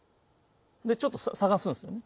でちょっと探すんすよね。